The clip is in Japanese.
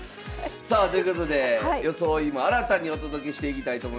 さあということで装いも新たにお届けしていきたいと思います。